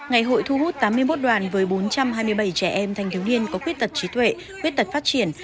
ngày hội thu hút tám mươi một đoàn với bốn trăm hai mươi bảy trẻ em thanh thiếu niên có khuyết tật trí tuệ khuyết tật phát triển